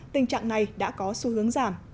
tình trạng này đã có xu hướng giảng